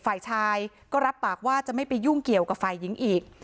ฝ่ายชายก็รับปากว่าจะไม่ไปยุ่งเกี่ยวกับฝ่ายหญิงอีก